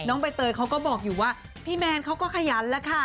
ใบเตยเขาก็บอกอยู่ว่าพี่แมนเขาก็ขยันแล้วค่ะ